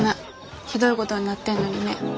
ひどいごどになってんのにね。